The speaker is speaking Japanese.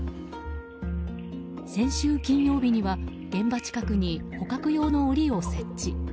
先週金曜日には現場近くに捕獲用の檻を設置。